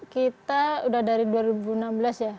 kita udah dari dua ribu enam belas ya